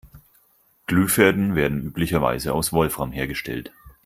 Glühfäden werden üblicherweise aus Wolfram hergestellt.